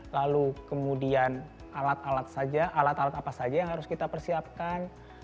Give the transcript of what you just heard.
lalu kemudian alat alat saja alat alat apa saja yang harus kita persiapkan